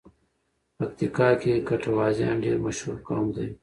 پکیتیکا کې ګټوازیان ډېر مشهور قوم دی.